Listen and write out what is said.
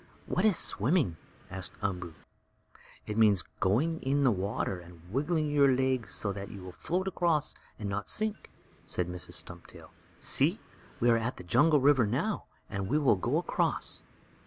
"What is swimming?" asked Umboo. "It means going in the water, and wiggling your legs so that you will float across and not sink," said Mrs. Stumptail. "See, we are at the jungle river now, and we will go across."